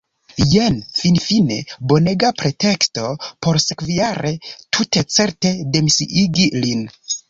Jen – finfine bonega preteksto por sekvajare tute certe demisiigi lin.